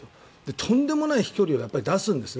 とんでもない飛距離を出すんですね。